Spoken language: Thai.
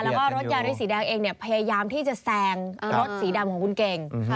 แล้วก็รถยาริสสีแดงเองเนี่ยพยายามที่จะแซงรถสีดำของคุณเก่ง